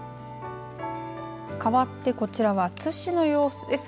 かわってこちらは津市の様子です。